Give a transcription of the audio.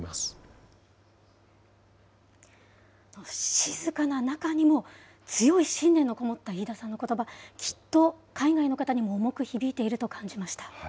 静かな中にも強い信念が込もった飯田さんのことば、きっと海外の方にも重く響いていると感じました。